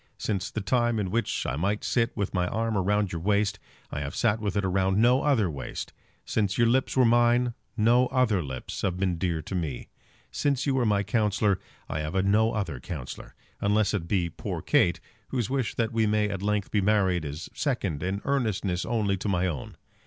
Since the time in which I might sit with my arm round your waist, I have sat with it round no other waist. Since your lips were mine, no other lips have been dear to me. Since you were my counsellor, I have had no other counsellor, unless it be poor Kate, whose wish that we may at length be married is second in earnestness only to my own.